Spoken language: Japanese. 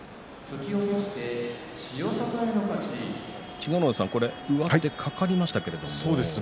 千賀ノ浦さん、上手かかりましたけれども。